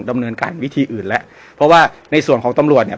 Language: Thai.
ดำเนินการวิธีอื่นแล้วเพราะว่าในส่วนของตำรวจเนี่ย